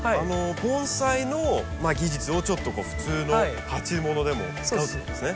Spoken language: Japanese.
盆栽の技術をちょっと普通の鉢物でも使うということですね。